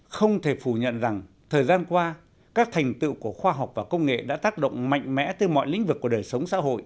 không thể phủ nhận rằng thời gian qua các thành tựu của khoa học và công nghệ đã tác động mạnh mẽ từ mọi lĩnh vực của đời sống